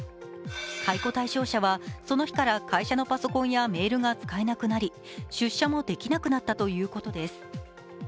解雇対象者はその日から会社のパソコンやメールが使えなくなり出社もできなくなったということです。